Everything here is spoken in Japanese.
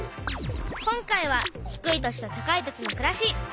今回は「低い土地と高い土地のくらし」。